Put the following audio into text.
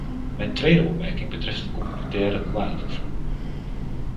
Mijn tweede opmerking betreft het communautaire douanevervoer.